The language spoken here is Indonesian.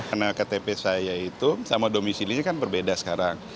karena ktp saya itu sama domisi ini kan berbeda sekarang